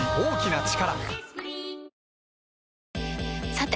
さて！